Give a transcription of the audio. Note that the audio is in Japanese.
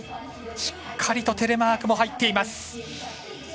しっかりとテレマークも入っています。